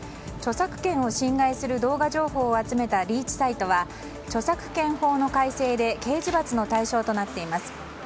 著作権を侵害する動画情報を集めたリーチサイトは著作権法の改正で刑事罰の対象となっています。